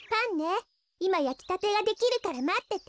いまやきたてができるからまってて。